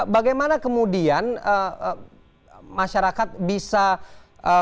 bagaimana kemudian masyarakat bisa memperbaiki hal hal yang lebih sensitif